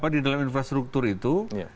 di dalam infrastruktur itu